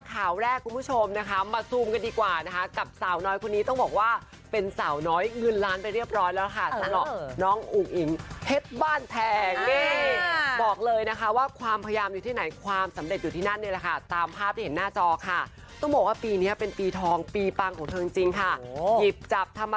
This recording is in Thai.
ข่าวแรกคุณผู้ชมนะคะมาซูมกันดีกว่านะคะกับสาวน้อยคนนี้ต้องบอกว่าเป็นสาวน้อยเงินล้านไปเรียบร้อยแล้วค่ะสำหรับน้องอุ๋งอิ๋งเพชรบ้านแพงนี่บอกเลยนะคะว่าความพยายามอยู่ที่ไหนความสำเร็จอยู่ที่นั่นเนี่ยแหละค่ะตามภาพที่เห็นหน้าจอค่ะต้องบอกว่าปีนี้เป็นปีทองปีปังของเธอจริงค่ะ